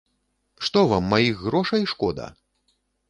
Што вам маіх грошай шкода?